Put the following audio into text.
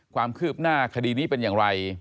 ความคืบหน้าคดีนี้เป็นอย่างไร